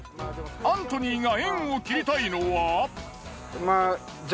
アントニーが縁を切りたいのは。